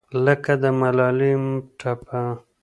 لکه د ملالې ټپه